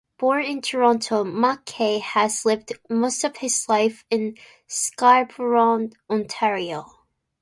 Born in Toronto, McKay has lived most of his life in Scarborough, Ontario.